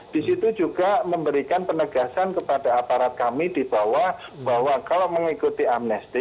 di situ juga memberikan penegasan kepada aparat kami di bawah bahwa kalau mengikuti amnesti